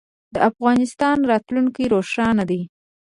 د افغانستان راتلونکی روښانه دی